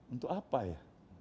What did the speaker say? untuk apa ya